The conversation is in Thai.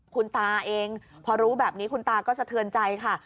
คุณตาเองพอรู้แบบนี้คุณตาก็สะเทือนใจค่ะ